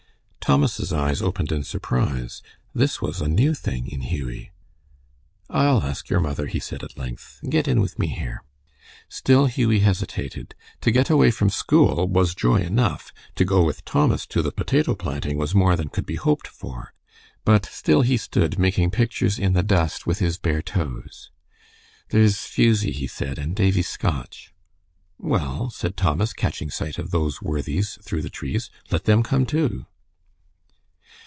Thomas's eyes opened in surprise. This was a new thing in Hughie. "I'll ask your mother," he said, at length. "Get in with me here." Still Hughie hesitated. To get away from school was joy enough, to go with Thomas to the potato planting was more than could be hoped for. But still he stood making pictures in the dust with his bare toes. "There's Fusie," he said, "and Davie Scotch." "Well," said Thomas, catching sight of those worthies through the trees, "let them come, too."